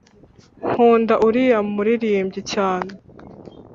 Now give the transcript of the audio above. nkunda uriya muririmbyi cyane.